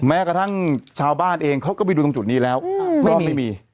แม้กระทั่งชาวบ้านเองเขาก็ไปดูตรงจุดนี้แล้วก็ไม่มี